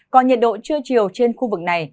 còn nhiệt độ chưa chiều trên khu vực này